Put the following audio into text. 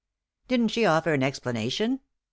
" Didn't she offer an explanation ?